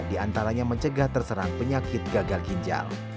diantaranya mencegah terserang penyakit gagal ginjal